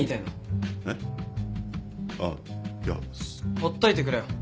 ほっといてくれよ。